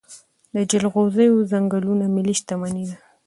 د جلغوزیو ځنګلونه ملي شتمني ده.